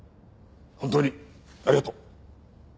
本当にありがとう。